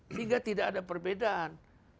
sehingga tidak ada perbedaan